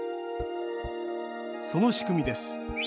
その仕組みです。